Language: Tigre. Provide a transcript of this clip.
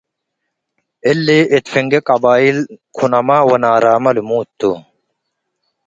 እሊ እት ፍንጌ ቀበይል ኩናማ ወናራመ ልሙድ ቱ ።